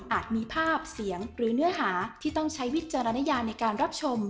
มีภาพเสียงหรือเนื้อหาที่ต้องใช้วิจารณญาในการรับชม